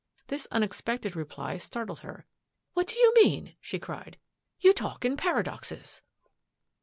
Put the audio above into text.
This unexpected reply startled her. " What do you mean ?" she cried. " You talk in para doxes."